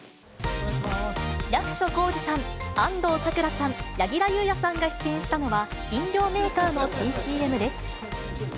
役所広司さん、安藤サクラさん、柳楽優弥さんが出演したのは、飲料メーカーの新ＣＭです。